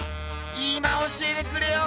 今教えてくれよ。